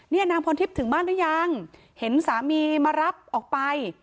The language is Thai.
นางพรทิพย์ถึงบ้านหรือยังเห็นสามีมารับออกไป